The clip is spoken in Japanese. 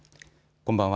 こんばんは。